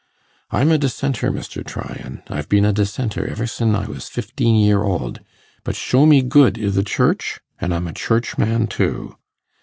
I'm a Dissenter, Mr. Tryan; I've been a Dissenter ever sin' I was fifteen 'ear old; but show me good i' the Church, an' I'm a Churchman too.